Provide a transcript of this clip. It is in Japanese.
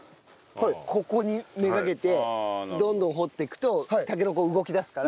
ここに目がけてどんどん掘っていくとたけのこ動きだすから。